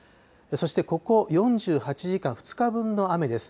ここ４８時間、２日分の雨です。